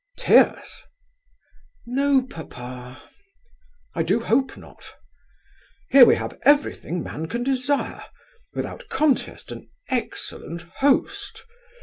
Tears?" "No, papa." "I do hope not. Here we have everything man can desire; without contest, an excellent host.